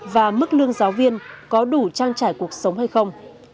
và mức lương giáo viên có đủ trang trải cuộc sống hay không